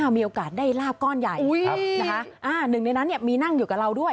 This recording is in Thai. มีโอกาสได้ลาบก้อนใหญ่หนึ่งในนั้นมีนั่งอยู่กับเราด้วย